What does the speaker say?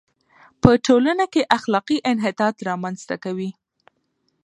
په ټولنه کې اخلاقي انحطاط را منځ ته کوي.